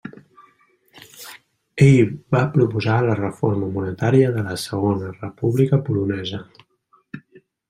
Ell va proposar la reforma monetària de la Segona República Polonesa.